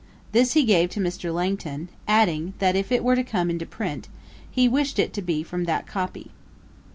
This he gave to Mr. Langton; adding that if it were to come into print, he wished it to be from that copy.